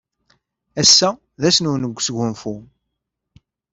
Ass-a d ass-nwen n wesgunfu.